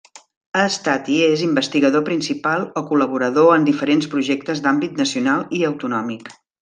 Ha estat i és investigador principal o col·laborador en diferents projectes d'àmbit nacional i autonòmic.